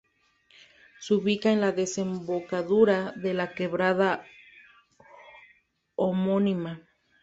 Se ubica en la desembocadura de la quebrada homónima.